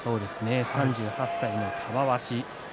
３８歳の玉鷲。